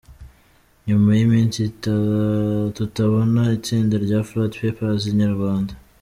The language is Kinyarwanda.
Nyuma y’iminsi tutabona itsinda rya Flat Papers Inyarwanda.